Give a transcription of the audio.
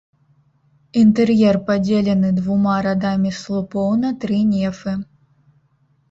Інтэр'ер падзелены двума радамі слупоў на тры нефы.